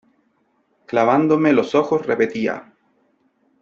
clavándome los ojos repetía :